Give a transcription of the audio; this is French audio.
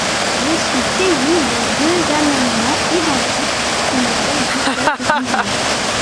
Je suis saisie de deux amendements identiques, numéros dix-sept et dix-neuf.